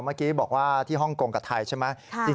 เมื่อกี้บอกว่าที่ฮ่องกงกับไทยใช่ไหม